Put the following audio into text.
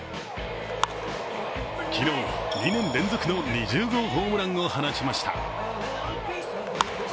昨日、２年連続の２０号ホームランを放ちました。